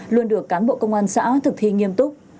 luôn được cán bộ công an xã thực thi nghiêm túc